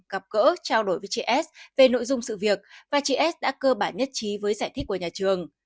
gặp gỡ trao đổi với chị s về nội dung sự việc và chị s đã cơ bản nhất trí với giải thích của nhà trường